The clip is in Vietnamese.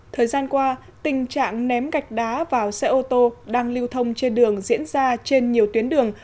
thời gian qua tình trạng ném gạch đá vào xe ô tô đang lưu thông trên đường diễn ra trên nhiều tuyến đường